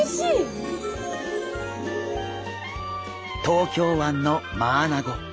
東京湾のマアナゴ。